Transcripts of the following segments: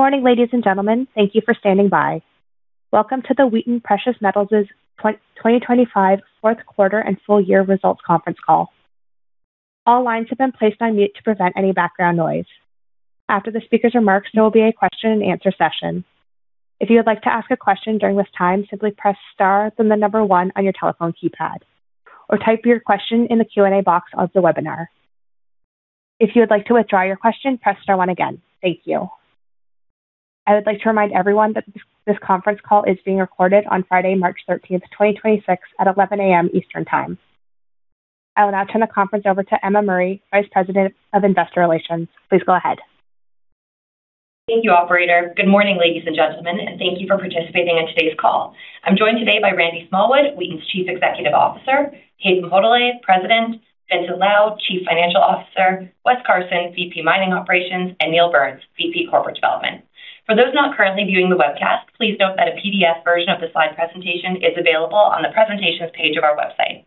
Good morning, ladies and gentlemen. Thank you for standing by. Welcome to the Wheaton Precious Metals' 2025 Fourth Quarter and Full Year Results Conference Call. All lines have been placed on mute to prevent any background noise. After the speaker's remarks, there will be a question and answer session. If you would like to ask a question during this time, simply press star, then the number one on your telephone keypad, or type your question in the Q&A box of the webinar. If you would like to withdraw your question, press star one again. Thank you. I would like to remind everyone that this conference call is being recorded on Friday, March 13, 2026 at 11 A.M. Eastern Time. I will now turn the conference over to Emma Murray, Vice President of Investor Relations. Please go ahead. Thank you, operator. Good morning, ladies and gentlemen, and thank you for participating in today's call. I'm joined today by Randy Smallwood, Wheaton's Chief Executive Officer, Haytham Hodaly, President, Vincent Lau, Chief Financial Officer, Wes Carson, VP Mining Operations, and Neil Burns, VP Corporate Development. For those not currently viewing the webcast, please note that a PDF version of the slide presentation is available on the presentation page of our website.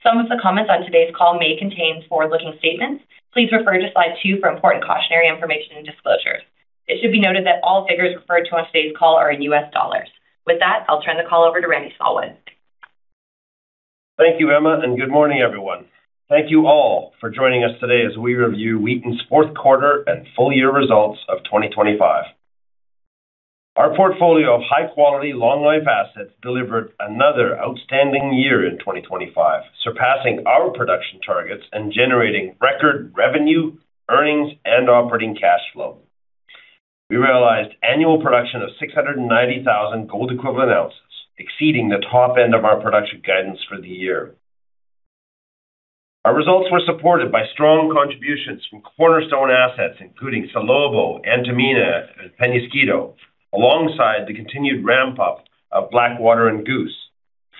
Some of the comments on today's call may contain forward-looking statements. Please refer to slide two for important cautionary information and disclosures. It should be noted that all figures referred to on today's call are in US dollars. With that, I'll turn the call over to Randy Smallwood. Thank you, Emma, and good morning, everyone. Thank you all for joining us today as we review Wheaton's fourth quarter and full year results of 2025. Our portfolio of high quality, long life assets delivered another outstanding year in 2025, surpassing our production targets and generating record revenue, earnings, and operating cash flow. We realized annual production of 690,000 gold equivalent ounces, exceeding the top end of our production guidance for the year. Our results were supported by strong contributions from cornerstone assets, including Salobo, Antamina, and Peñasquito, alongside the continued ramp-up of Blackwater and Goose,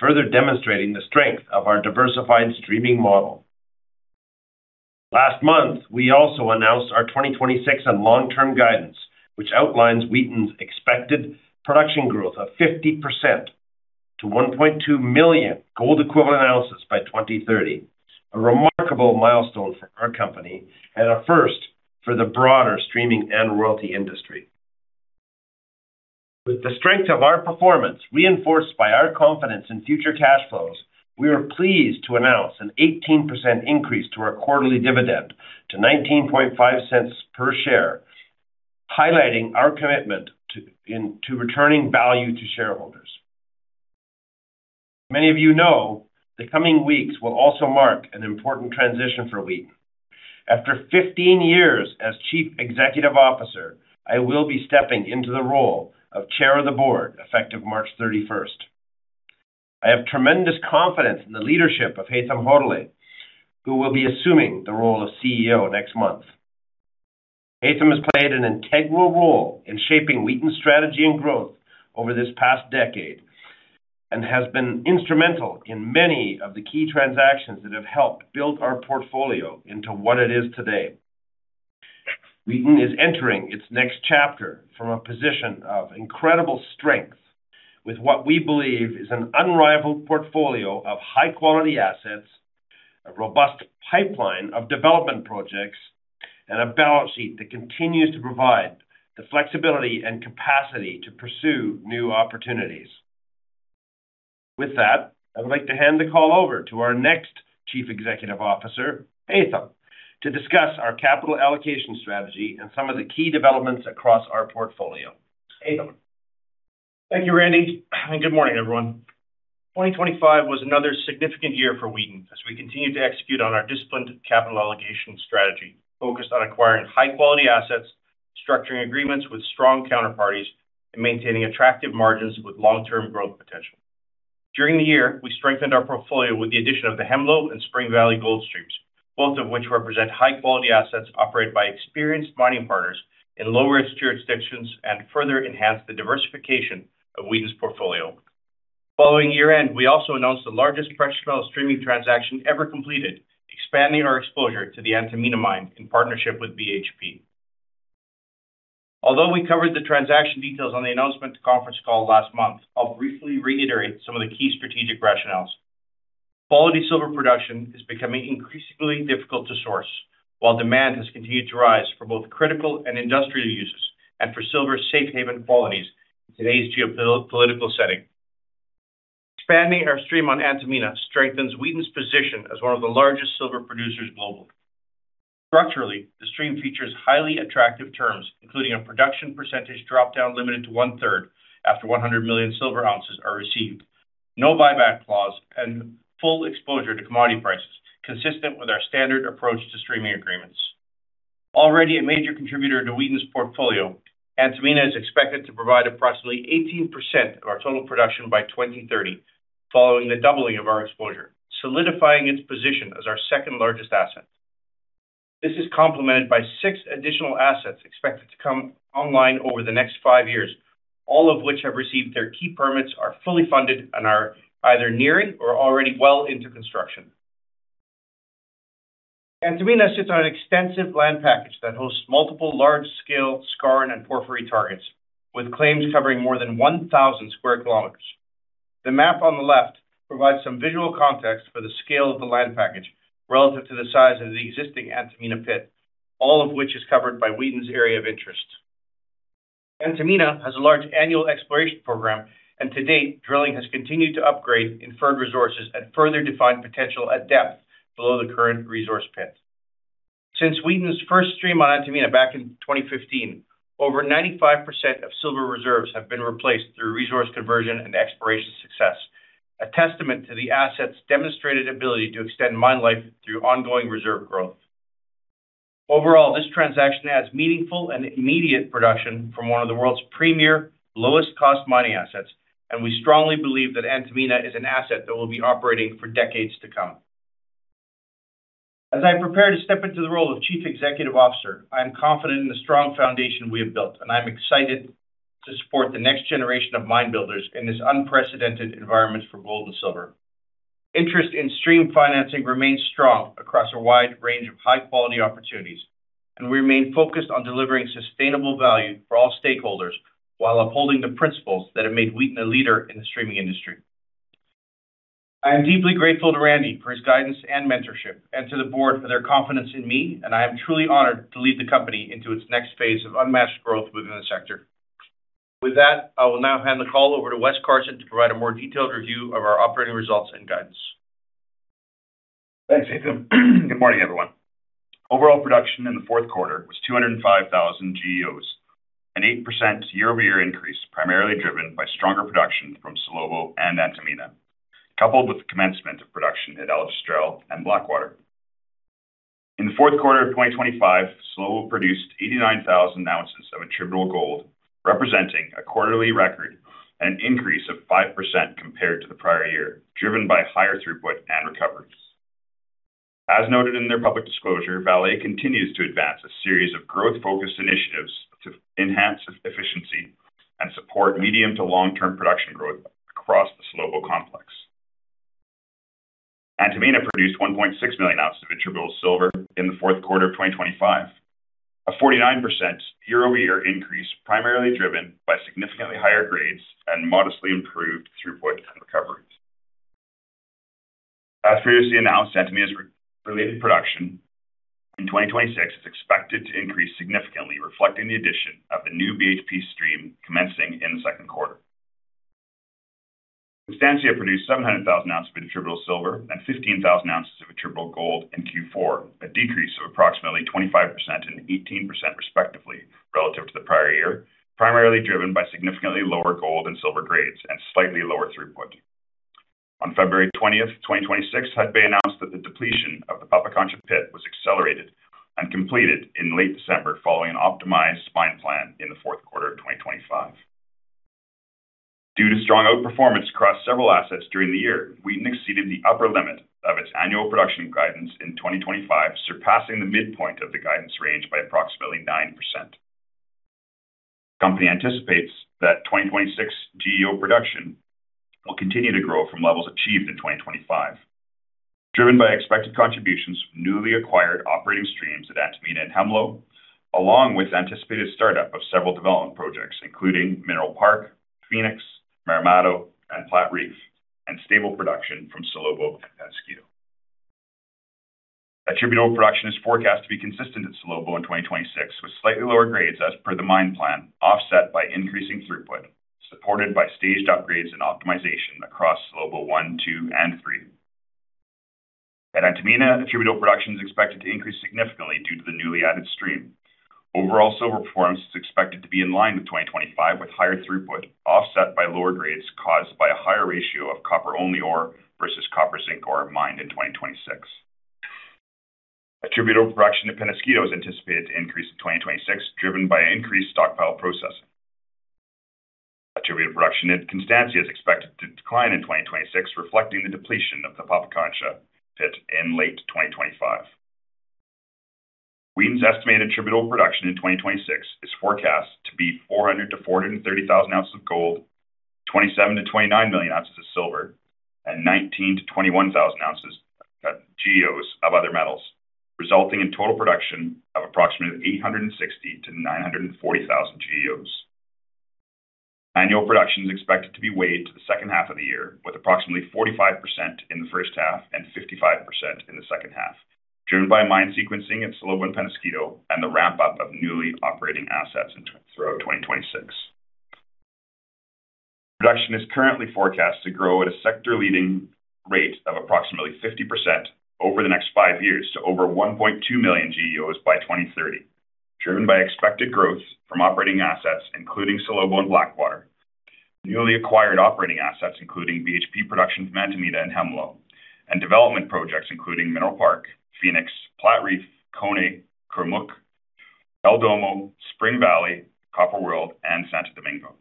further demonstrating the strength of our diversified streaming model. Last month, we also announced our 2026 and long-term guidance, which outlines Wheaton's expected production growth of 50% to 1.2 million gold equivalent ounces by 2030, a remarkable milestone for our company and a first for the broader streaming and royalty industry. With the strength of our performance reinforced by our confidence in future cash flows, we are pleased to announce an 18% increase to our quarterly dividend to $0.195 per share, highlighting our commitment to returning value to shareholders. Many of you know the coming weeks will also mark an important transition for Wheaton. After 15 years as Chief Executive Officer, I will be stepping into the role of Chair of the Board effective March 31st. I have tremendous confidence in the leadership of Haytham Hodaly, who will be assuming the role of CEO next month. Haytham has played an integral role in shaping Wheaton's strategy and growth over this past decade and has been instrumental in many of the key transactions that have helped build our portfolio into what it is today. Wheaton is entering its next chapter from a position of incredible strength with what we believe is an unrivaled portfolio of high-quality assets, a robust pipeline of development projects, and a balance sheet that continues to provide the flexibility and capacity to pursue new opportunities. With that, I would like to hand the call over to our next Chief Executive Officer, Haytham, to discuss our capital allocation strategy and some of the key developments across our portfolio. Haytham. Thank you, Randy, and good morning, everyone. 2025 was another significant year for Wheaton as we continued to execute on our disciplined capital allocation strategy focused on acquiring high quality assets, structuring agreements with strong counterparties, and maintaining attractive margins with long-term growth potential. During the year, we strengthened our portfolio with the addition of the Hemlo and Spring Valley gold streams, both of which represent high quality assets operated by experienced mining partners in low-risk jurisdictions and further enhance the diversification of Wheaton's portfolio. Following year-end, we also announced the largest fresh metal streaming transaction ever completed, expanding our exposure to the Antamina mine in partnership with BHP. Although we covered the transaction details on the announcement conference call last month, I'll briefly reiterate some of the key strategic rationales. Quality silver production is becoming increasingly difficult to source, while demand has continued to rise for both critical and industrial uses and for silver's safe haven qualities in today's geopolitical setting. Expanding our stream on Antamina strengthens Wheaton's position as one of the largest silver producers globally. Structurally, the stream features highly attractive terms, including a production percentage dropdown limited to one-third after 100 million silver ounces are received, no buyback clause, and full exposure to commodity prices, consistent with our standard approach to streaming agreements. Already a major contributor to Wheaton's portfolio, Antamina is expected to provide approximately 18% of our total production by 2030 following the doubling of our exposure, solidifying its position as our second-largest asset. This is complemented by six additional assets expected to come online over the next five years, all of which have received their key permits, are fully funded, and are either nearing or already well into construction. Antamina sits on an extensive land package that hosts multiple large-scale skarn and porphyry targets with claims covering more than 1,000 sq km. The map on the left provides some visual context for the scale of the land package relative to the size of the existing Antamina pit, all of which is covered by Wheaton's area of interest. Antamina has a large annual exploration program, and to date, drilling has continued to upgrade inferred resources and further define potential at depth below the current resource pit. Since Wheaton's first stream on Antamina back in 2015, over 95% of silver reserves have been replaced through resource conversion and exploration success, a testament to the asset's demonstrated ability to extend mine life through ongoing reserve growth. Overall, this transaction adds meaningful and immediate production from one of the world's premier lowest cost mining assets, and we strongly believe that Antamina is an asset that will be operating for decades to come. As I prepare to step into the role of Chief Executive Officer, I am confident in the strong foundation we have built, and I'm excited to support the next generation of mine builders in this unprecedented environment for gold and silver. Interest in stream financing remains strong across a wide range of high-quality opportunities, and we remain focused on delivering sustainable value for all stakeholders while upholding the principles that have made Wheaton a leader in the streaming industry. I am deeply grateful to Randy for his guidance and mentorship and to the board for their confidence in me, and I am truly honored to lead the company into its next phase of unmatched growth within the sector. With that, I will now hand the call over to Wes Carson to provide a more detailed review of our operating results and guidance. Thanks, Haytham. Good morning, everyone. Overall production in the fourth quarter was 205,000 GEOs, an 8% year-over-year increase, primarily driven by stronger production from Salobo and Antamina, coupled with the commencement of production at Aljustrel and Blackwater. In the fourth quarter of 2025, Salobo produced 89,000 ounces of attributable gold, representing a quarterly record, an increase of 5% compared to the prior year, driven by higher throughput and recoveries. As noted in their public disclosure, Vale continues to advance a series of growth-focused initiatives to enhance efficiency and support medium to long-term production growth across the Salobo complex. Antamina produced 1.6 million ounces of attributable silver in the fourth quarter of 2025, a 49% year-over-year increase, primarily driven by significantly higher grades and modestly improved throughput and recoveries. As previously announced, Antamina's related production in 2026 is expected to increase significantly, reflecting the addition of the new BHP stream commencing in the second quarter. Constancia produced 700,000 ounces of attributable silver and 15,000 ounces of attributable gold in Q4, a decrease of approximately 25% and 18% respectively relative to the prior year, primarily driven by significantly lower gold and silver grades and slightly lower throughput. On February 20, 2026, Hudbay announced that the depletion of the Pampacancha pit was accelerated and completed in late December following an optimized mine plan in the fourth quarter of 2025. Due to strong outperformance across several assets during the year, Wheaton exceeded the upper limit of its annual production guidance in 2025, surpassing the midpoint of the guidance range by approximately 9%. The company anticipates that 2026 GEO production will continue to grow from levels achieved in 2025, driven by expected contributions from newly acquired operating streams at Antamina and Hemlo, along with anticipated startup of several development projects, including Mineral Park, Phoenix, Marmato, and Platreef, and stable production from Salobo and Peñasquito. Attributable production is forecast to be consistent at Salobo in 2026, with slightly lower grades as per the mine plan, offset by increasing throughput, supported by staged upgrades and optimization across Salobo one, two, and three. At Antamina, attributable production is expected to increase significantly due to the newly added stream. Overall silver performance is expected to be in line with 2025, with higher throughput offset by lower grades caused by a higher ratio of copper-only ore versus copper zinc ore mined in 2026. Attributable production at Peñasquito is anticipated to increase in 2026, driven by increased stockpile processing. Attributable production at Constancia is expected to decline in 2026, reflecting the depletion of the Pampacancha pit in late 2025. Wheaton's estimated attributable production in 2026 is forecast to be 400-430 thousand ounces of gold, 27-29 million ounces of silver, and 19-21 thousand GEOs of other metals, resulting in total production of approximately 860-940 thousand GEOs. Annual production is expected to be weighted to the second half of the year, with approximately 45% in the first half and 55% in the second half, driven by mine sequencing at Salobo and Peñasquito and the ramp-up of newly operating assets throughout 2026. Production is currently forecast to grow at a sector-leading rate of approximately 50% over the next five years to over 1.2 million GEOs by 2030, driven by expected growth from operating assets, including Salobo and Blackwater, newly acquired operating assets, including BHP production from Antamina and Hemlo, and development projects including Mineral Park, Phoenix, Platreef, Koné, Kurmuk, El Domo, Spring Valley, Copper World, and Santo Domingo.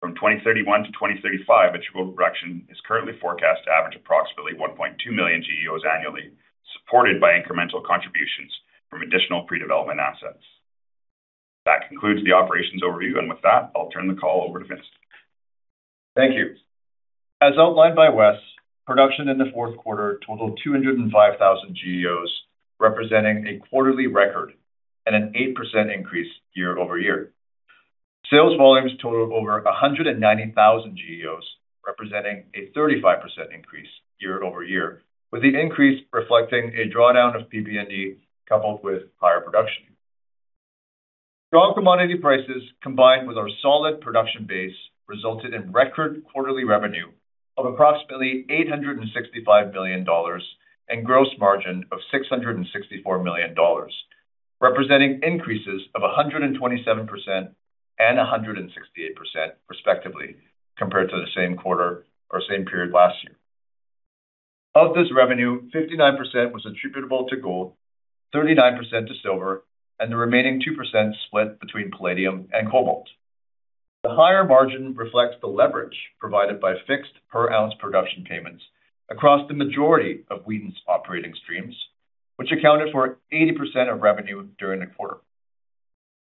From 2031-2035, attributable production is currently forecast to average approximately 1.2 million GEOs annually, supported by incremental contributions from additional pre-development assets. That concludes the operations overview. With that, I'll turn the call over to Vincent. Thank you. As outlined by Wes, production in the fourth quarter totaled 205,000 GEOs, representing a quarterly record. An 8% increase year-over-year. Sales volumes totaled over 190,000 GEOs, representing a 35% increase year-over-year, with the increase reflecting a drawdown of PB&E coupled with higher production. Strong commodity prices combined with our solid production base resulted in record quarterly revenue of approximately $865 million and gross margin of $664 million, representing increases of 127% and 168% respectively compared to the same quarter or same period last year. Of this revenue, 59% was attributable to gold, 39% to silver, and the remaining 2% split between palladium and cobalt. The higher margin reflects the leverage provided by fixed per ounce production payments across the majority of Wheaton's operating streams, which accounted for 80% of revenue during the quarter.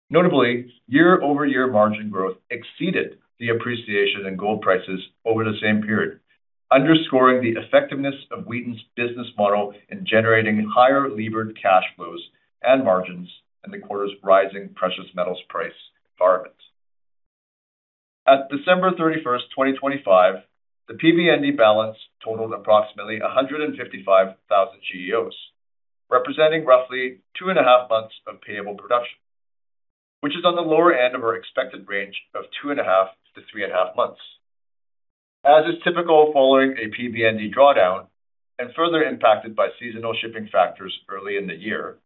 Notably, year-over-year margin growth exceeded the appreciation in gold prices over the same period, underscoring the effectiveness of Wheaton's business model in generating higher levered cash flows and margins in the quarter's rising precious metals price environment. At December 31, 2025, the PB&E balance totaled approximately 155,000 GEOs, representing roughly two and a half months of payable production, which is on the lower end of our expected range of two and a half to three and a half months. As is typical following a PB&E drawdown and further impacted by seasonal shipping factors early in the year,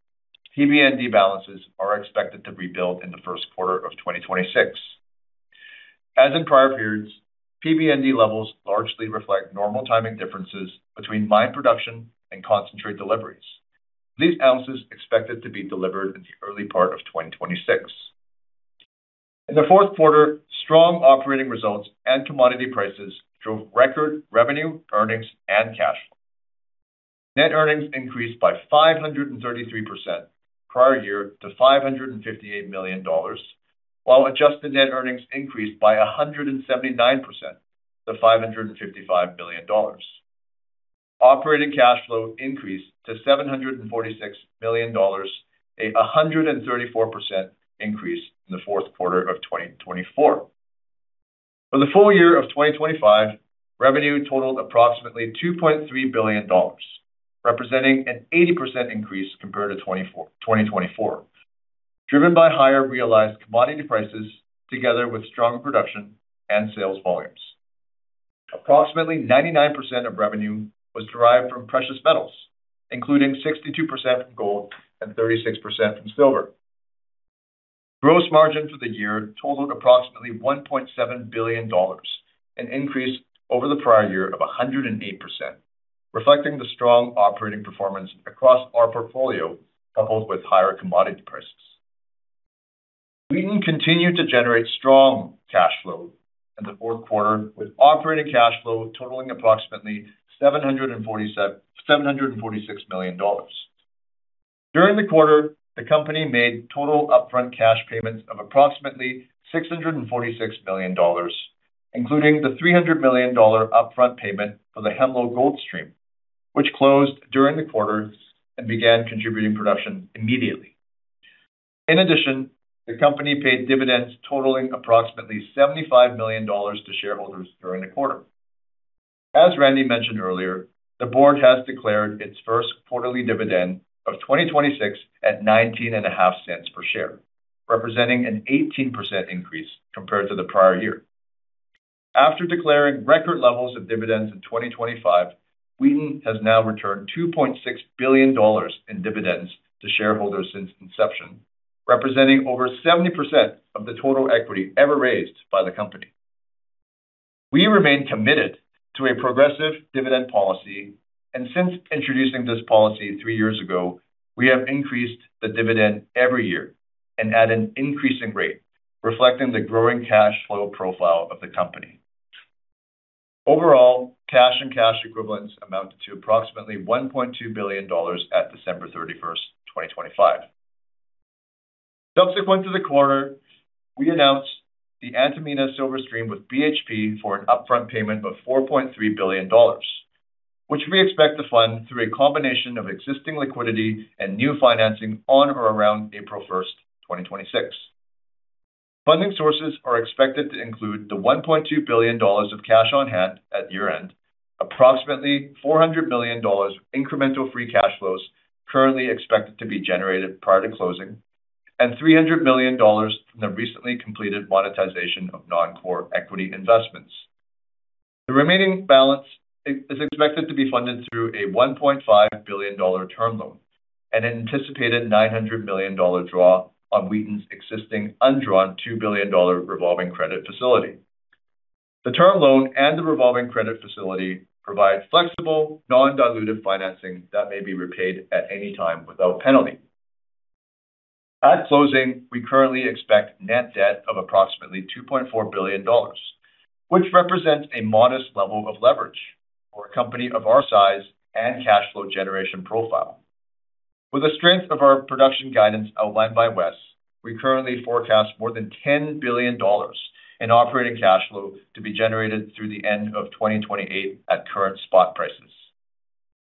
PB&E balances are expected to rebuild in the first quarter of 2026. As in prior periods, PB&E levels largely reflect normal timing differences between mine production and concentrate deliveries. These ounces expected to be delivered in the early part of 2026. In the fourth quarter, strong operating results and commodity prices drove record revenue, earnings, and cash flow. Net earnings increased by 533% prior year to $558 million, while adjusted net earnings increased by 179% to $555 million. Operating cash flow increased to $746 million, a 134% increase in the fourth quarter of 2024. For the full year of 2025, revenue totaled approximately $2.3 billion, representing an 80% increase compared to 2024, driven by higher realized commodity prices together with stronger production and sales volumes. Approximately 99% of revenue was derived from precious metals, including 62% from gold and 36% from silver. Gross margin for the year totaled approximately $1.7 billion, an increase over the prior year of 108%, reflecting the strong operating performance across our portfolio, coupled with higher commodity prices. Wheaton continued to generate strong cash flow in the fourth quarter, with operating cash flow totaling approximately $746 million. During the quarter, the company made total upfront cash payments of approximately $646 million, including the $300 million dollar upfront payment for the Hemlo Goldstream, which closed during the quarter and began contributing production immediately. In addition, the company paid dividends totaling approximately $75 million to shareholders during the quarter. As Randy mentioned earlier, the board has declared its first quarterly dividend of 2026 at $0.195 per share, representing an 18% increase compared to the prior year. After declaring record levels of dividends in 2025, Wheaton has now returned $2.6 billion in dividends to shareholders since inception, representing over 70% of the total equity ever raised by the company. We remain committed to a progressive dividend policy, and since introducing this policy three years ago, we have increased the dividend every year and at an increasing rate, reflecting the growing cash flow profile of the company. Overall, cash and cash equivalents amounted to approximately $1.2 billion at December 31, 2025. Subsequent to the quarter, we announced the Antamina silver stream with BHP for an upfront payment of $4.3 billion, which we expect to fund through a combination of existing liquidity and new financing on or around April 1, 2026. Funding sources are expected to include the $1.2 billion of cash on hand at year-end, approximately $400 million incremental free cash flows currently expected to be generated prior to closing, and $300 million from the recently completed monetization of non-core equity investments. The remaining balance is expected to be funded through a $1.5 billion term loan and anticipated $900 million draw on Wheaton's existing undrawn $2 billion revolving credit facility. The term loan and the revolving credit facility provides flexible, non-dilutive financing that may be repaid at any time without penalty. At closing, we currently expect net debt of approximately $2.4 billion, which represents a modest level of leverage for a company of our size and cash flow generation profile. With the strength of our production guidance outlined by Wes, we currently forecast more than $10 billion in operating cash flow to be generated through the end of 2028 at current spot prices.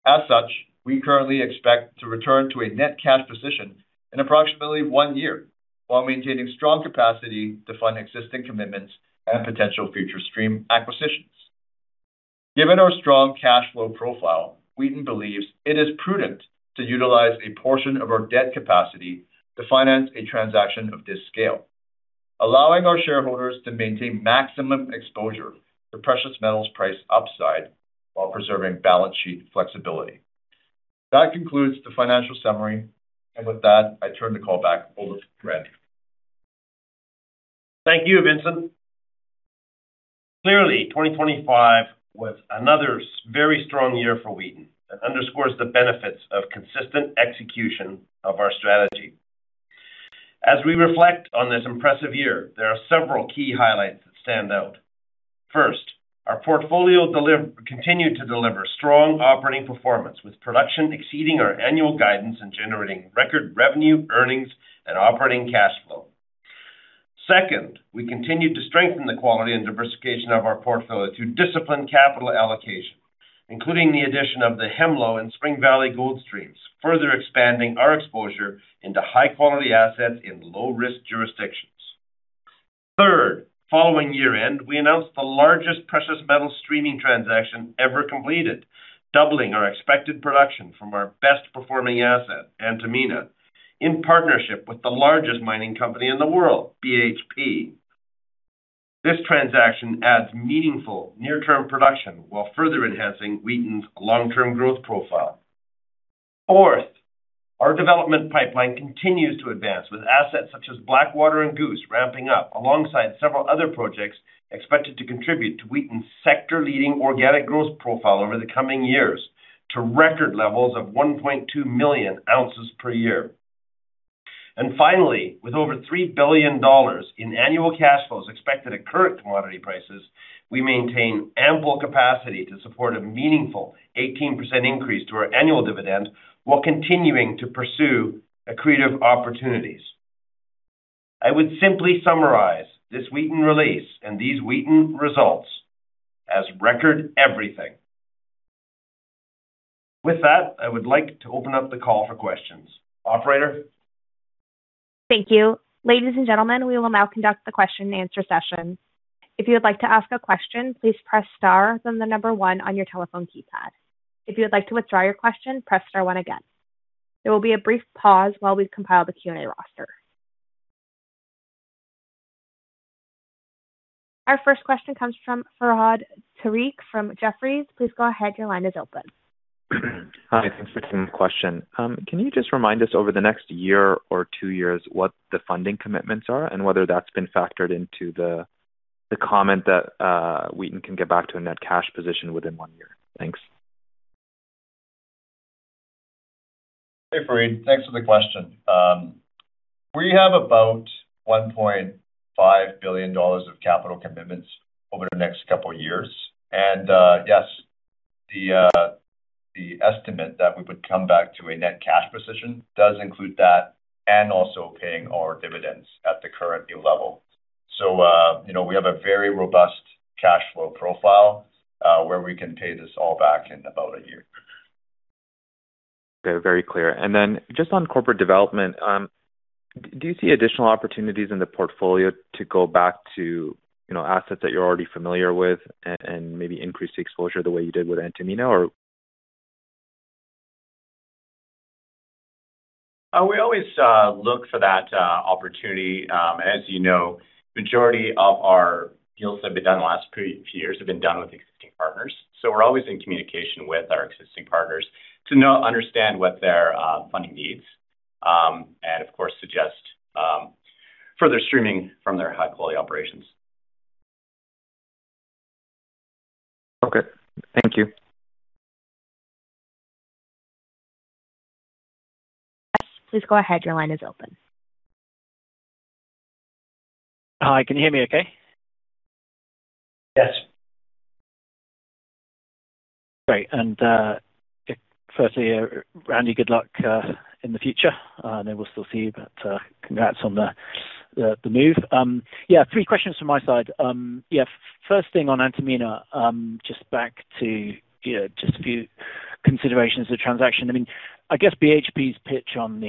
As such, we currently expect to return to a net cash position in approximately one year, while maintaining strong capacity to fund existing commitments and potential future stream acquisitions. Given our strong cash flow profile, Wheaton believes it is prudent to utilize a portion of our debt capacity to finance a transaction of this scale, allowing our shareholders to maintain maximum exposure to precious metals price upside while preserving balance sheet flexibility. That concludes the financial summary, and with that, I turn the call back over to Randy. Thank you, Vincent. Clearly, 2025 was another very strong year for Wheaton. It underscores the benefits of consistent execution of our strategy. As we reflect on this impressive year, there are several key highlights that stand out. First, our portfolio continued to deliver strong operating performance, with production exceeding our annual guidance and generating record revenue, earnings, and operating cash flow. Second, we continued to strengthen the quality and diversification of our portfolio through disciplined capital allocation, including the addition of the Hemlo and Spring Valley gold streams, further expanding our exposure into high-quality assets in low-risk jurisdictions. Third, following year-end, we announced the largest precious metal streaming transaction ever completed, doubling our expected production from our best performing asset, Antamina, in partnership with the largest mining company in the world, BHP. This transaction adds meaningful near-term production while further enhancing Wheaton's long-term growth profile. Fourth, our development pipeline continues to advance with assets such as Blackwater and Goose ramping up, alongside several other projects expected to contribute to Wheaton's sector-leading organic growth profile over the coming years to record levels of 1.2 million ounces per year. Finally, with over $3 billion in annual cash flows expected at current commodity prices, we maintain ample capacity to support a meaningful 18% increase to our annual dividend while continuing to pursue accretive opportunities. I would simply summarize this Wheaton release and these Wheaton results as record everything. With that, I would like to open up the call for questions. Operator? Thank you. Ladies and gentlemen, we will now conduct the question and answer session. If you would like to ask a question, please press star, then the number one on your telephone keypad. If you would like to withdraw your question, press star one again. There will be a brief pause while we compile the Q&A roster. Our first question comes from Fahad Tariq from Jefferies. Please go ahead, your line is open. Hi, thanks for taking the question. Can you just remind us over the next year or two years what the funding commitments are and whether that's been factored into the comment that Wheaton can get back to a net cash position within one year? Thanks. Hey, Fahad, thanks for the question. We have about $1.5 billion of capital commitments over the next couple of years. Yes, the estimate that we would come back to a net cash position does include that and also paying our dividends at the current new level. You know, we have a very robust cash flow profile, where we can pay this all back in about a year. Okay. Very clear. Just on corporate development, do you see additional opportunities in the portfolio to go back to, you know, assets that you're already familiar with and maybe increase the exposure the way you did with Antamina or? We always look for that opportunity. As you know, majority of our deals that have been done in the last past few years have been done with existing partners. We're always in communication with our existing partners to know, understand what their funding needs, and of course, suggest further streaming from their high-quality operations. Okay. Thank you. Please go ahead. Your line is open. Hi, can you hear me okay? Yes. Great. Firstly, Randy, good luck in the future. I know we'll still see you, but congrats on the move. Three questions from my side. First thing on Antamina, just back to you know, just a few considerations of the transaction. I mean, I guess BHP's pitch on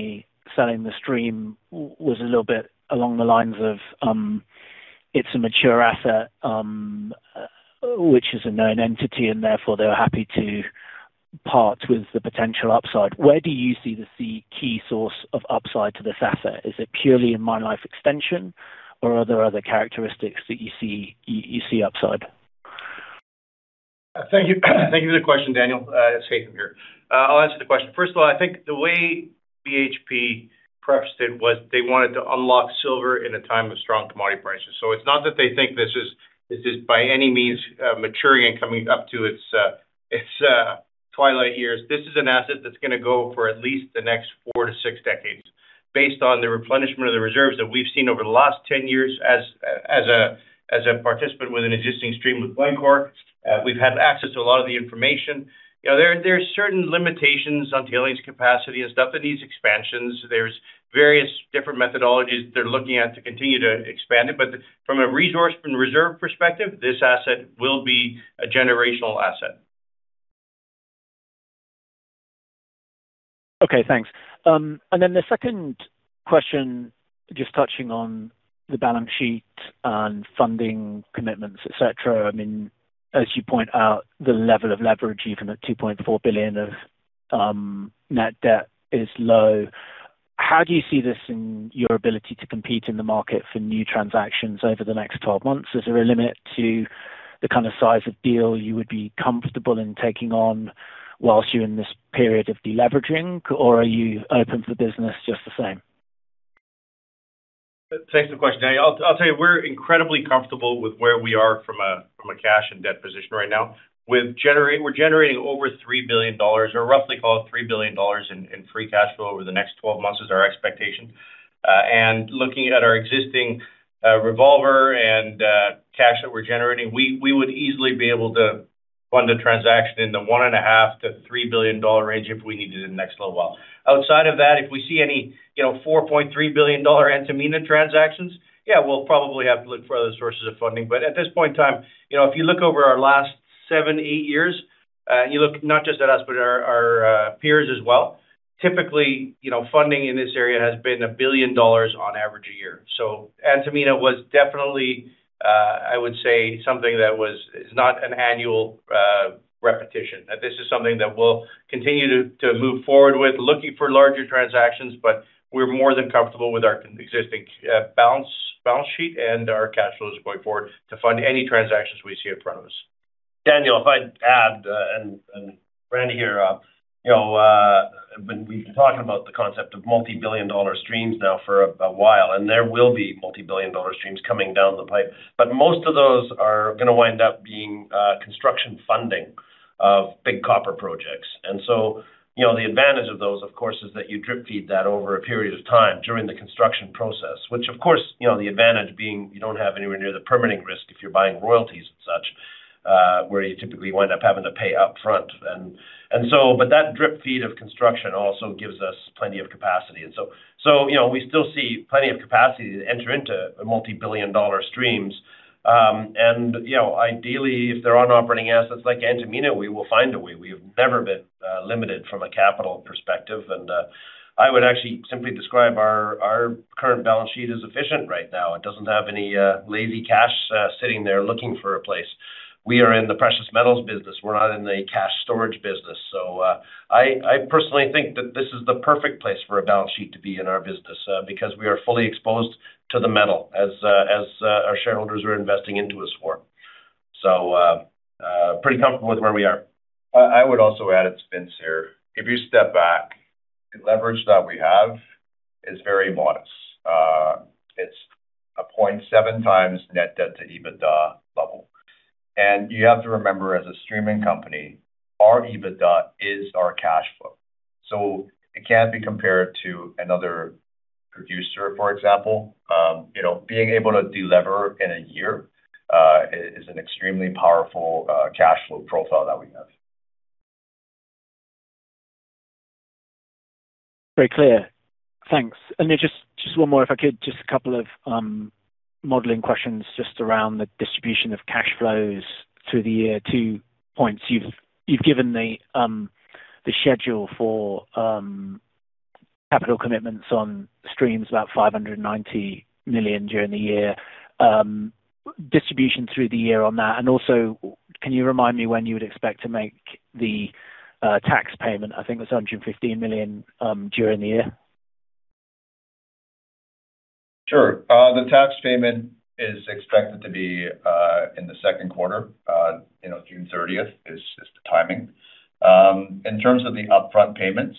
selling the stream was a little bit along the lines of, it's a mature asset, which is a known entity, and therefore they're happy to part with the potential upside. Where do you see the key source of upside to this asset? Is it purely in mine life extension or are there other characteristics that you see upside? Thank you. Thank you for the question, Daniel. It's Haytham here. I'll answer the question. First of all, I think the way BHP prefaced it was they wanted to unlock silver in a time of strong commodity prices. It's not that they think this is by any means maturing and coming up to its twilight years. This is an asset that's gonna go for at least the next four-six decades based on the replenishment of the reserves that we've seen over the last 10 years as a participant with an existing stream with Glencore. We've had access to a lot of the information. You know, there are certain limitations on tailings capacity and stuff that needs expansions. There's various Different methodologies they're looking at to continue to expand it. From a resource and reserve perspective, this asset will be a generational asset. Okay, thanks. The second question, just touching on the balance sheet and funding commitments, etc. I mean, as you point out, the level of leverage even at $2.4 billion of net debt is low. How do you see this in your ability to compete in the market for new transactions over the next 12 months? Is there a limit to the kind of size of deal you would be comfortable in taking on while you're in this period of deleveraging, or are you open for business just the same? Thanks for the question. I'll tell you, we're incredibly comfortable with where we are from a cash and debt position right now. We're generating over $3 billion or roughly call it $3 billion in free cash flow over the next 12 months is our expectation. Looking at our existing revolver and cash that we're generating, we would easily be able to fund a transaction in the $1.5-$3 billion range if we needed in the next little while. Outside of that, if we see any, you know, $4.3 billion Antamina transactions, yeah, we'll probably have to look for other sources of funding. At this point in time, you know, if you look over our last seven, eight years, you look not just at us, but our peers as well. Typically, you know, funding in this area has been $1 billion on average a year. Antamina was definitely, I would say something that is not an annual repetition. This is something that we'll continue to move forward with looking for larger transactions, but we're more than comfortable with our existing balance sheet and our cash flows going forward to fund any transactions we see in front of us. Daniel, if I may add, Randy here, you know, when we've been talking about the concept of multi-billion-dollar streams now for a while, and there will be multi-billion-dollar streams coming down the pipe. Most of those are gonna wind up being construction funding of big copper projects. You know, the advantage of those, of course, is that you drip-feed that over a period of time during the construction process. Which, of course, you know, the advantage being you don't have anywhere near the permitting risk if you're buying royalties and such, where you typically wind up having to pay upfront. But that drip-feed of construction also gives us plenty of capacity. You know, we still see plenty of capacity to enter into multi-billion-dollar streams. You know, ideally, if they're on operating assets like Antamina, we will find a way. We've never been limited from a capital perspective. I would actually simply describe our current balance sheet is efficient right now. It doesn't have any lazy cash sitting there looking for a place. We are in the precious metals business. We're not in the cash storage business. I personally think that this is the perfect place for a balance sheet to be in our business because we are fully exposed to the metal as our shareholders are investing into us for. Pretty comfortable with where we are. I would also add, it's Vince here. If you step back, the leverage that we have is very modest. It's 0.7x net debt to EBITDA level. You have to remember, as a streaming company, our EBITDA is our cash flow, so it can't be compared to another producer, for example. You know, being able to delever in a year is an extremely powerful cash flow profile that we have. Very clear. Thanks. Just one more, if I could. Just a couple of modeling questions just around the distribution of cash flows through the year. Two points you've given the schedule for capital commitments on streams, about $590 million during the year. Distribution through the year on that. Also, can you remind me when you would expect to make the tax payment? I think it was $115 million during the year. The tax payment is expected to be in the second quarter. You know, June 30th is the timing. In terms of the upfront payments,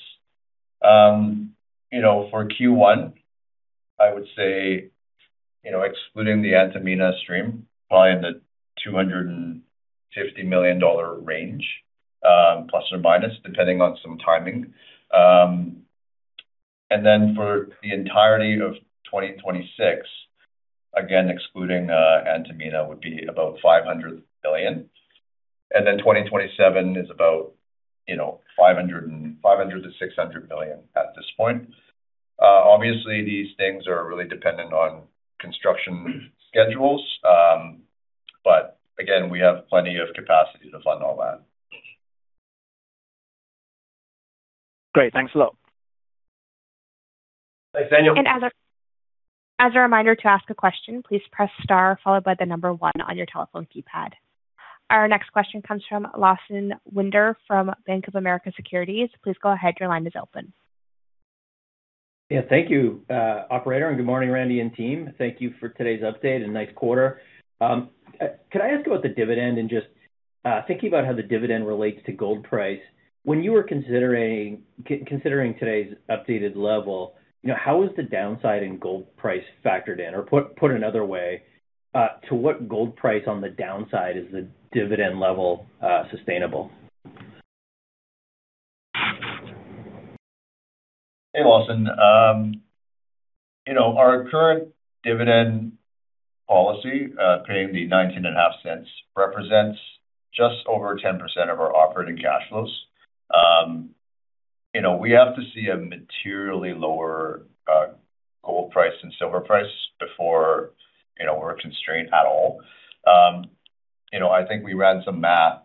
for Q1, I would say, you know, excluding the Antamina stream, probably in the $250 million range, plus or minus, depending on some timing. For the entirety of 2026, again, excluding Antamina, would be about $500 million. 2027 is about, you know, $500-$600 million at this point. Obviously, these things are really dependent on construction schedules. Again, we have plenty of capacity to fund all that. Great. Thanks a lot. Thanks, Daniel. As a reminder to ask a question, please press star followed by the number one on your telephone keypad. Our next question comes from Lawson Winder from Bank of America Securities. Please go ahead. Your line is open. Yeah, thank you, operator. Good morning, Randy and team. Thank you for today's update and nice quarter. Could I ask about the dividend and just thinking about how the dividend relates to gold price. When you were considering today's updated level, you know, how is the downside in gold price factored in? Or put another way, to what gold price on the downside is the dividend level sustainable? Hey, Lawson. You know, our current dividend policy, paying the $0.195 represents just over 10% of our operating cash flows. You know, we have to see a materially lower gold price and silver price before, you know, we're constrained at all. You know, I think we ran some math,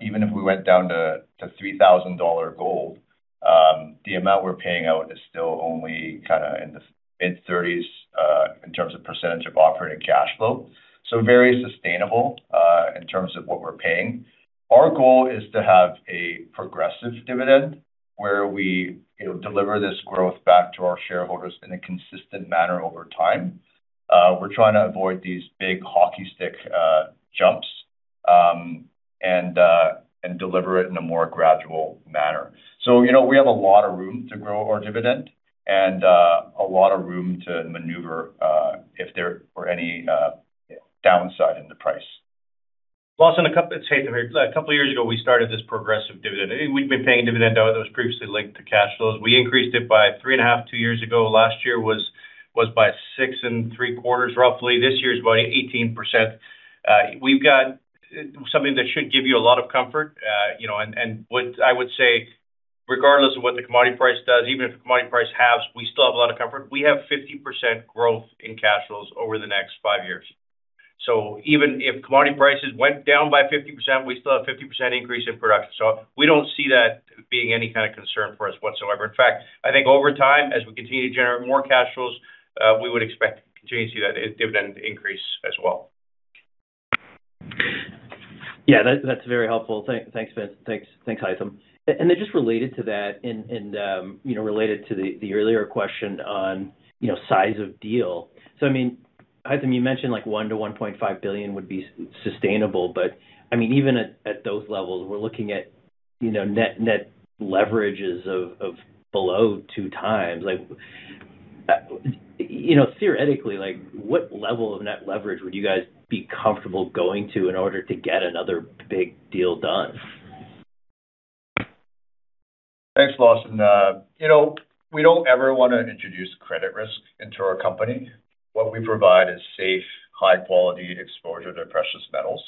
even if we went down to $3,000 gold, the amount we're paying out is still only kinda in the mid-30s in terms of percentage of operating cash flow. Very sustainable in terms of what we're paying. Our goal is to have a progressive dividend where we, you know, deliver this growth back to our shareholders in a consistent manner over time. We're trying to avoid these big hockey stick jumps and deliver it in a more gradual manner. You know, we have a lot of room to grow our dividend and a lot of room to maneuver if there were any downside in the price. Lawson, it's Haytham here. A couple years ago, we started this progressive dividend. We'd been paying a dividend that was previously linked to cash flows. We increased it by 3.5% two years ago. Last year was by 6.75% roughly. This year it's by 18%. We've got something that should give you a lot of comfort. You know, and what I would say, regardless of what the commodity price does, even if the commodity price halves, we still have a lot of comfort. We have 50% growth in cash flows over the next five years. Even if commodity prices went down by 50%, we still have 50% increase in production. We don't see that being any kinda concern for us whatsoever. In fact, I think over time, as we continue to generate more cash flows, we would expect to continue to see that dividend increase as well. Yeah. That's very helpful. Thanks, Vince. Thanks, Haytham. Then just related to that and, you know, related to the earlier question on, you know, size of deal. I mean, Haytham, you mentioned like $1 billion-$1.5 billion would be sustainable, but I mean, even at those levels, we're looking at, you know, net leverage of below 2x. Like, you know, theoretically, like, what level of net leverage would you guys be comfortable going to in order to get another big deal done? Thanks, Lawson. You know, we don't ever wanna introduce credit risk into our company. What we provide is safe, high-quality exposure to precious metals.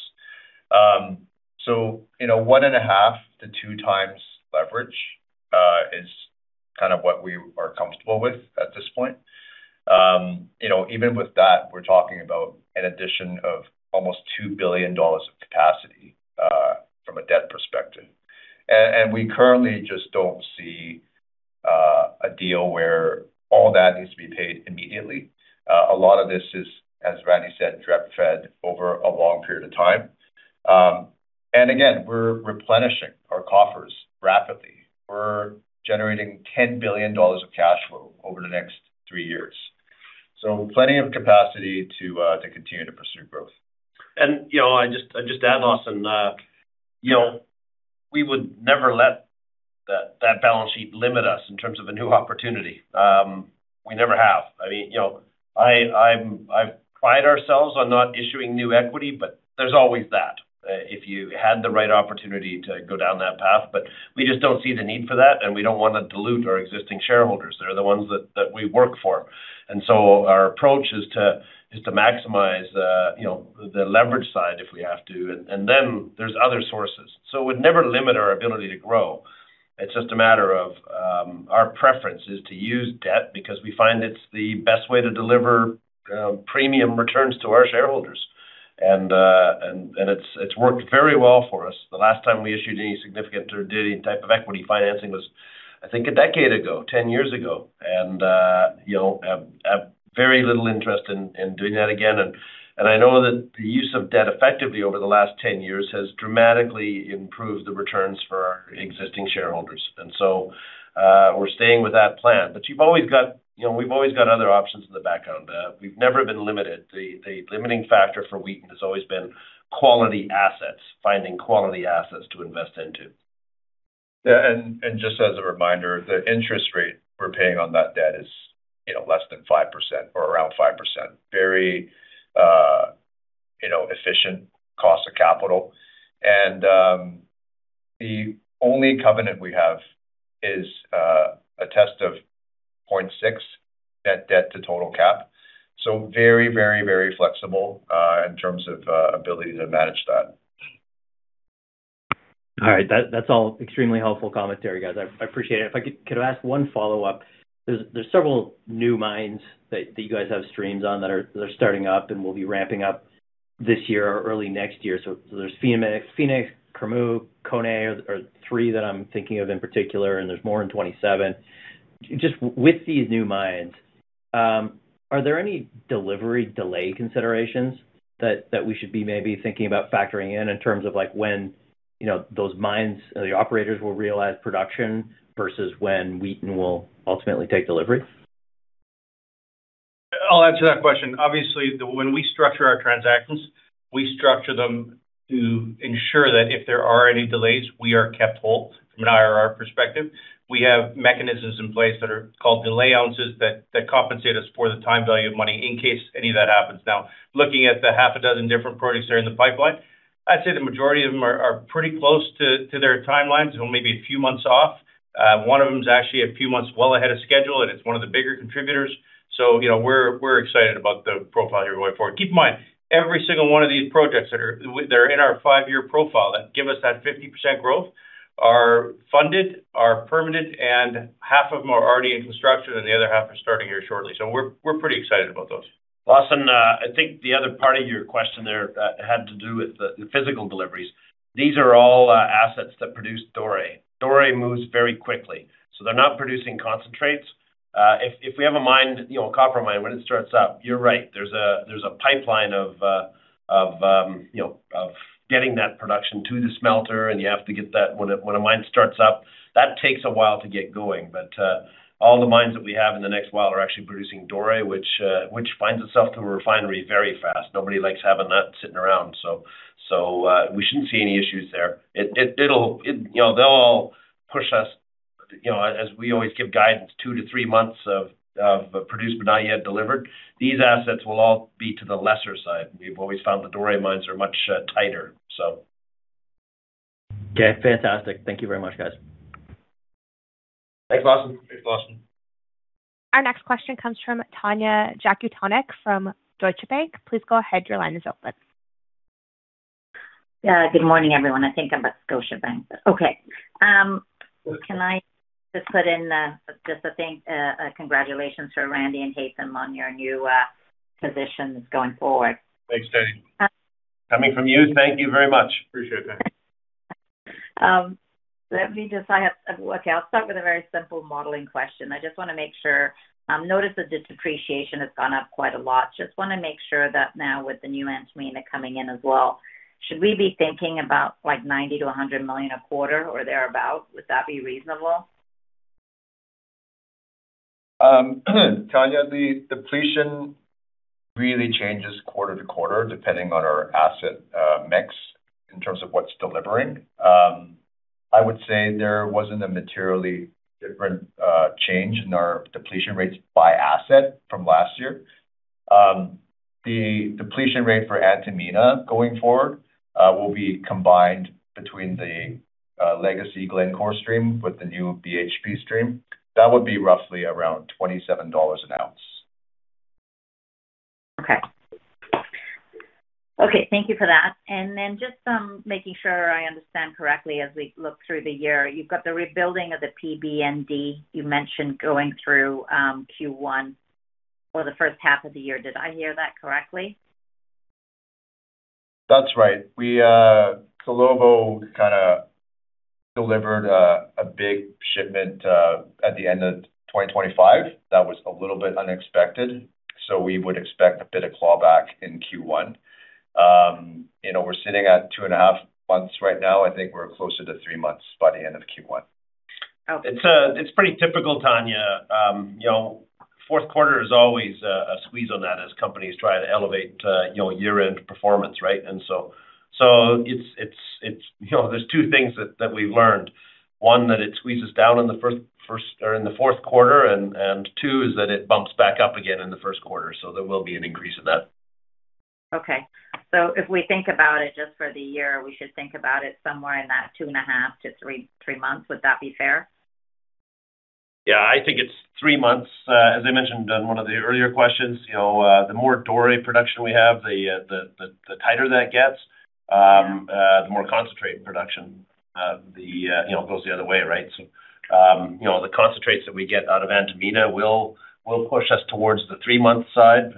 You know, 1.5-2x leverage is kind of what we are comfortable with at this point. You know, even with that, we're talking about an addition of almost $2 billion of capacity from a debt perspective. And we currently just don't see a deal where all that needs to be paid immediately. A lot of this is, as Randy said, drip-fed over a long period of time. And again, we're replenishing our coffers rapidly. We're generating $10 billion of cash flow over the next three years. Plenty of capacity to continue to pursue growth. I'd just add, Lawson, we would never let that balance sheet limit us in terms of a new opportunity. We never have. We pride ourselves on not issuing new equity, but there's always that if you had the right opportunity to go down that path. We just don't see the need for that, and we don't wanna dilute our existing shareholders. They're the ones that we work for. Our approach is to maximize the leverage side if we have to. There's other sources. We'd never limit our ability to grow. It's just a matter of our preference is to use debt because we find it's the best way to deliver premium returns to our shareholders. It's worked very well for us. The last time we issued any significant or did any type of equity financing was, I think, a decade ago, 10 years ago. You know, we have very little interest in doing that again. I know that the use of debt effectively over the last 10 years has dramatically improved the returns for our existing shareholders. We're staying with that plan. You've always got, you know, we've always got other options in the background. We've never been limited. The limiting factor for Wheaton has always been quality assets, finding quality assets to invest into. Just as a reminder, the interest rate we're paying on that debt is, you know, less than 5% or around 5%. Very, you know, efficient cost of capital. The only covenant we have is a test of 0.6, net debt to total cap. Very flexible in terms of ability to manage that. All right. That's all extremely helpful commentary, guys. I appreciate it. If I could ask one follow-up. There's several new mines that you guys have streams on that are starting up and will be ramping up this year or early next year. There's Phoenix, Kurmuk, Koné are three that I'm thinking of in particular, and there's more in 2027. Just with these new mines, are there any delivery delay considerations that we should be maybe thinking about factoring in in terms of like when, you know, those mines or the operators will realize production versus when Wheaton will ultimately take delivery? I'll add to that question. Obviously, when we structure our transactions, we structure them to ensure that if there are any delays, we are kept whole from an IRR perspective. We have mechanisms in place that are called delay ounces that compensate us for the time value of money in case any of that happens. Now, looking at the half a dozen different projects that are in the pipeline. I'd say the majority of them are pretty close to their timelines or maybe a few months off. One of them is actually a few months well ahead of schedule, and it's one of the bigger contributors. You know, we're excited about the profile here going forward. Keep in mind, every single one of these projects that are in our five-year profile that give us that 50% growth are funded, are permanent, and half of them are already in construction and the other half are starting here shortly. We're pretty excited about those. Lawson, I think the other part of your question there had to do with the physical deliveries. These are all assets that produce doré. Doré moves very quickly, so they're not producing concentrates. If we have a mine, you know, a copper mine, when it starts up, you're right. There's a pipeline of, you know, getting that production to the smelter, and when a mine starts up, that takes a while to get going. All the mines that we have in the next while are actually producing doré, which lends itself to a refinery very fast. Nobody likes having that sitting around. We shouldn't see any issues there. It'll, you know, they'll all push us, you know, as we always give guidance, two-three months of produced but not yet delivered. These assets will all be to the lesser side. We've always found the doré mines are much tighter. Okay, fantastic. Thank you very much, guys. Thanks, Lawson. Thanks, Lawson. Our next question comes from Tanya Jakusconek from Scotiabank. Please go ahead. Your line is open. Yeah. Good morning, everyone. I think I'm at Scotiabank. Okay. Can I just put in a congratulations for Randy and Haytham on your new positions going forward. Thanks, Tanya. Coming from you, thank you very much. Appreciate it. I'll start with a very simple modeling question. I just wanna make sure, notice the depreciation has gone up quite a lot. Just wanna make sure that now with the new Antamina coming in as well, should we be thinking about, like, $90 million-$100 million a quarter or thereabout? Would that be reasonable? Tanya, the depletion really changes quarter to quarter depending on our asset mix in terms of what's delivering. I would say there wasn't a materially different change in our depletion rates by asset from last year. The depletion rate for Antamina going forward will be combined between the legacy Glencore stream with the new BHP stream. That would be roughly around $27 an ounce. Okay. Thank you for that. Then just making sure I understand correctly as we look through the year, you've got the rebuilding of the PB&D you mentioned going through Q1 or the first half of the year. Did I hear that correctly? That's right. We Salobo kind of delivered a big shipment at the end of 2025. That was a little bit unexpected, so we would expect a bit of clawback in Q1. You know, we're sitting at two and a half months right now. I think we're closer to three months by the end of Q1. Okay. It's pretty typical, Tanya. You know, fourth quarter is always a squeeze on that as companies try to elevate you know, year-end performance, right? It's you know, there's two things that we've learned. One, that it squeezes down in the first or in the fourth quarter, and two is that it bumps back up again in the first quarter. There will be an increase in that. Okay. If we think about it just for the year, we should think about it somewhere in that two and half-three, three months. Would that be fair? Yeah. I think it's three months. As I mentioned on one of the earlier questions, you know, the more doré production we have, the tighter that gets, the more concentrate production, you know, goes the other way, right? So, you know, the concentrates that we get out of Antamina will push us towards the three-month side.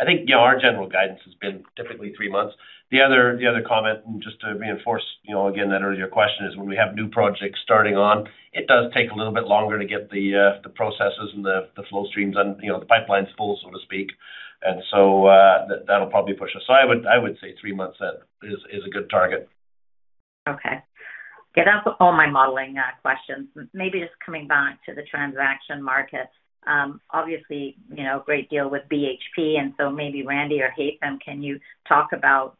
I think, you know, our general guidance has been typically three months. The other comment, and just to reinforce, you know, again, that earlier question is when we have new projects starting on, it does take a little bit longer to get the processes and the flow streams and, you know, the pipelines full, so to speak. That'll probably push us. I would say three months is a good target. Okay. Yeah, that's all my modeling questions. Maybe just coming back to the transaction market, obviously, you know, great deal with BHP, and so maybe Randy or Haytham, can you talk about,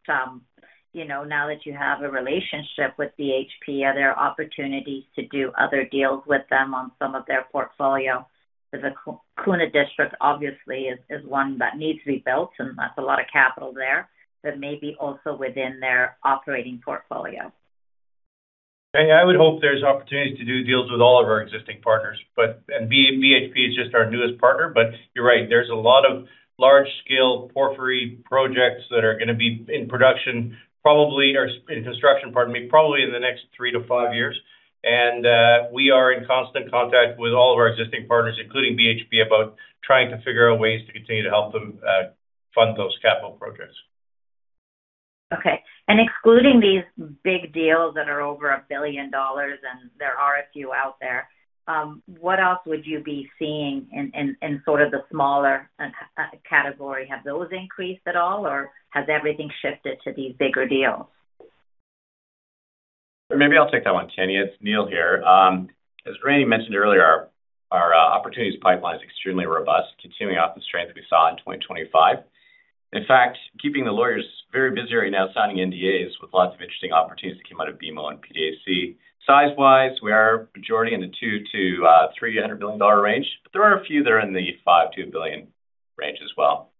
you know, now that you have a relationship with BHP, are there opportunities to do other deals with them on some of their portfolio? The Vicuña District obviously is one that needs to be built, and that's a lot of capital there, but maybe also within their operating portfolio. Tanya, I would hope there's opportunities to do deals with all of our existing partners. BHP is just our newest partner. You're right, there's a lot of large scale porphyry projects that are gonna be in production probably, or in construction, pardon me, probably in the next three-five years. We are in constant contact with all of our existing partners, including BHP, about trying to figure out ways to continue to help them fund those capital projects. Okay. Excluding these big deals that are over $1 billion, and there are a few out there, what else would you be seeing in sort of the smaller category? Have those increased at all, or has everything shifted to these bigger deals? Maybe I'll take that one, Tanya. It's Neil here. As Randy mentioned earlier, our opportunities pipeline is extremely robust, continuing off the strength we saw in 2025. In fact, keeping the lawyers very busy right now signing NDAs with lots of interesting opportunities that came out of BMO and PDAC. Size-wise, we are majority in the $200 million-$300 million range, but there are a few that are in the $50 million-$100 million range as well.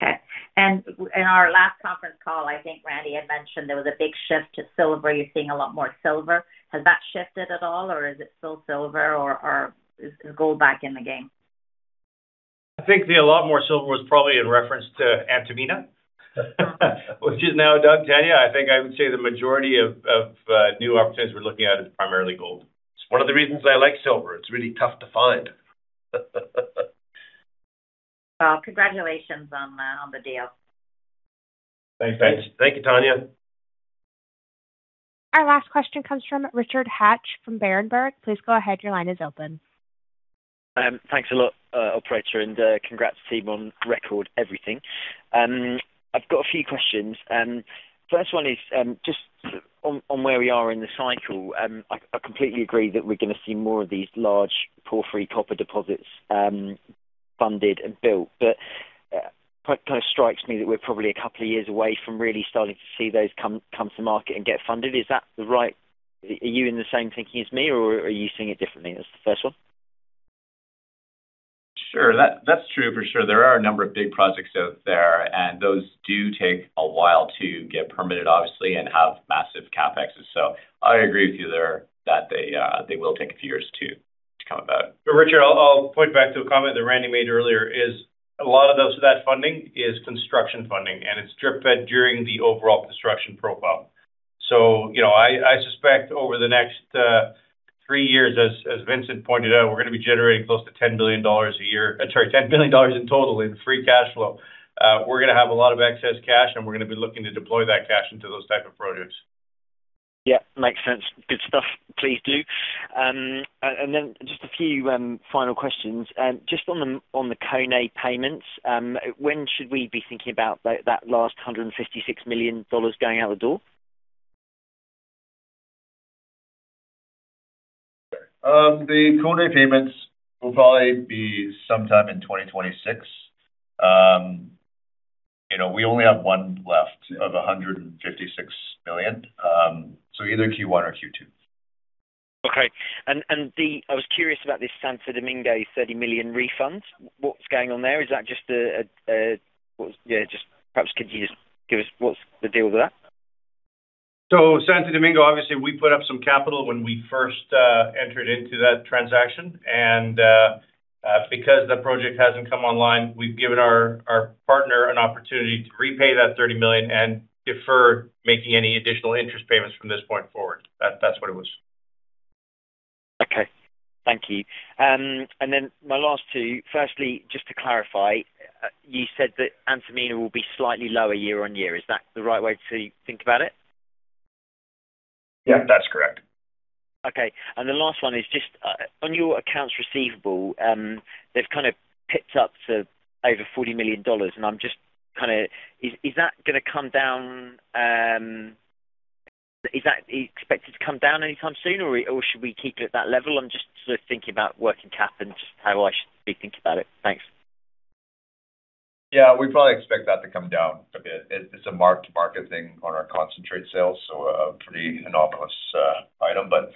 Okay. In our last conference call, I think Randy had mentioned there was a big shift to silver. You're seeing a lot more silver. Has that shifted at all, or is it still silver? Or is gold back in the game? I think a lot more silver was probably in reference to Antamina, which is now done, Tanya. I think I would say the majority of new opportunities we're looking at is primarily gold. It's one of the reasons I like silver. It's really tough to find. Well, congratulations on the deal. Thanks. Thank you, Tanya. Our last question comes from Richard Hatch from Berenberg. Please go ahead. Your line is open. Thanks a lot, operator, and congrats team on record everything. I've got a few questions. First one is just on where we are in the cycle. I completely agree that we're gonna see more of these large porphyry copper deposits funded and built. Kind of strikes me that we're probably a couple of years away from really starting to see those come to market and get funded. Is that right? Are you in the same thinking as me, or are you seeing it differently? That's the first one. Sure. That's true for sure. There are a number of big projects out there, and those do take a while to get permitted, obviously, and have massive CapExes. I agree with you there that they will take a few years to come about. Richard, I'll point back to a comment that Randy made earlier, a lot of those that funding is construction funding, and it's drip-fed during the overall construction profile. You know, I suspect over the next three years as Vincent pointed out, we're gonna be generating close to $10 billion a year. Sorry, $10 billion in total in free cash flow. We're gonna have a lot of excess cash, and we're gonna be looking to deploy that cash into those type of projects. Yeah. Makes sense. Good stuff. Please do. Just a few final questions. Just on the Koné payments, when should we be thinking about that last $156 million going out the door? The Koné payments will probably be sometime in 2026. You know, we only have one left of $156 million, so either Q1 or Q2. Okay. I was curious about this Santo Domingo $30 million refund. What's going on there? Yeah, just perhaps could you just give us what's the deal with that? Santo Domingo, obviously, we put up some capital when we first entered into that transaction. Because the project hasn't come online, we've given our partner an opportunity to repay that $30 million and defer making any additional interest payments from this point forward. That's what it was. Okay. Thank you. My last two. Firstly, just to clarify, you said that Antamina will be slightly lower year-over-year. Is that the right way to think about it? Yeah, that's correct. Okay. The last one is just on your accounts receivable. They've kind of picked up to over $40 million, and I'm just kind of. Is that gonna come down? Is that expected to come down anytime soon? Or should we keep it at that level? I'm just sort of thinking about working cap and how I should be thinking about it. Thanks. Yeah. We probably expect that to come down a bit. It, it's a mark-to-market thing on our concentrate sales, so a pretty anomalous item, but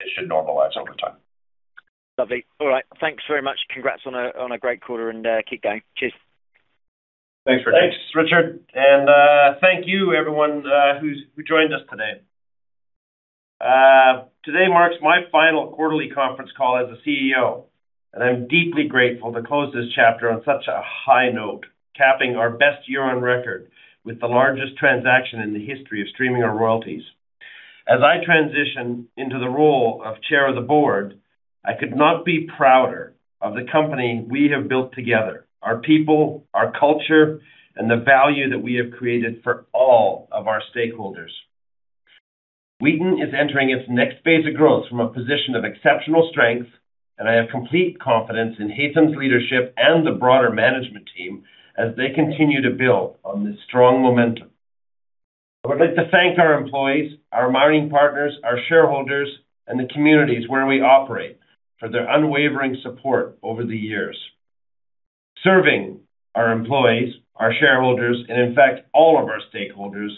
it should normalize over time. Lovely. All right. Thanks very much. Congrats on a great quarter and keep going. Cheers. Thanks, Richard. Thanks, Richard. Thank you everyone who joined us today. Today marks my final quarterly conference call as a CEO, and I'm deeply grateful to close this chapter on such a high note, capping our best year on record with the largest transaction in the history of streaming our royalties. As I transition into the role of chair of the board, I could not be prouder of the company we have built together, our people, our culture, and the value that we have created for all of our stakeholders. Wheaton is entering its next phase of growth from a position of exceptional strength, and I have complete confidence in Haytham's leadership and the broader management team as they continue to build on this strong momentum. I would like to thank our employees, our mining partners, our shareholders, and the communities where we operate for their unwavering support over the years. Serving our employees, our shareholders, and in fact, all of our stakeholders,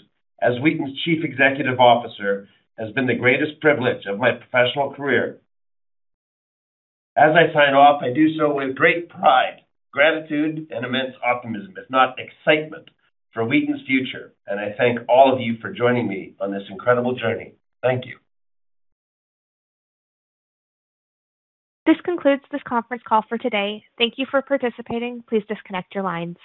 as Wheaton's Chief Executive Officer, has been the greatest privilege of my professional career. As I sign off, I do so with great pride, gratitude, and immense optimism, if not excitement for Wheaton's future, and I thank all of you for joining me on this incredible journey. Thank you. This concludes this conference call for today. Thank you for participating. Please disconnect your lines.